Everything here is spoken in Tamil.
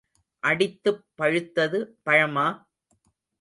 அடித்துப் பழுத்தது பழமா?